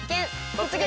「突撃！